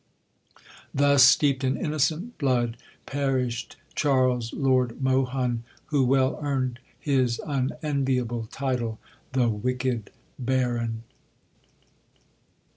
Thus, steeped in innocent blood, perished Charles Lord Mohun, who well earned his unenviable title, "The wicked Baron."